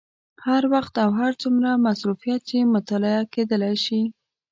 هر وخت او هر څومره مصروفیت کې مطالعه کېدای شي.